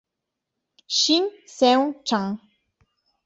Shin Seung-chan